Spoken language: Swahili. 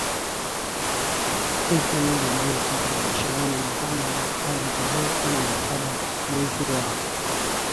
elfu moja mia tisa ishirini na tano hadi tarehe kumi na saba mwezi wa